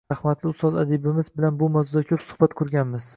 Rahmatli ustoz adibimiz bilan bu mavzuda ko`p suhbat qurganmiz